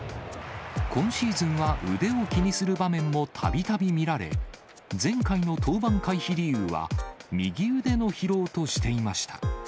今シーズンは腕を気にする場面もたびたび見られ、前回の登板回避理由は、右腕の疲労としていました。